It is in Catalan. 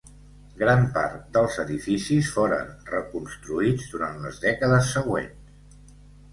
Gran part dels edificis foren reconstruïts durant les dècades següents.